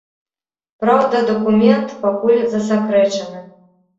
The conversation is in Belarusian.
Праўда, дакумент пакуль засакрэчаны.